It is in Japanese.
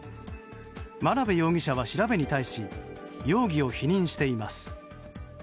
真鍋容疑者は調べに対し容疑を否認しています。